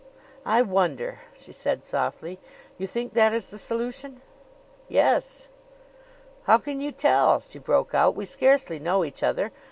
"I wonder!" she said softly. "You think that is the solution?" "Yes." "How can you tell?" she broke out. "We scarcely know each other.